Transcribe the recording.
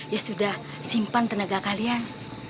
ya sudah simpan tenaga kalian